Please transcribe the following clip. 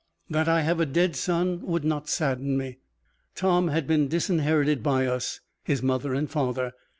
"That I have a dead son would not sadden me. Tom had been disinherited by us, his mother and father.